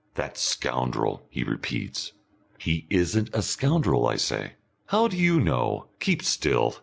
"That scoundrel," he repeats. "He isn't a scoundrel," I say. "How do you know? Keep still!